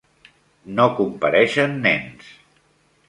No compareixen nens.